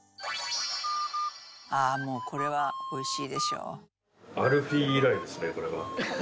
「ああもうこれはおいしいでしょう」